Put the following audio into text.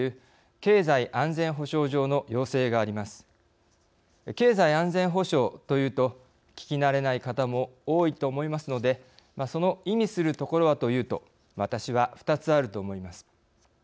経済安全保障というと聞きなれない方も多いと思いますのでその意味するところはというと私は二つあると思います。